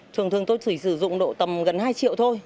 thường thường tôi chỉ sử dụng độ tầm gần hai triệu thôi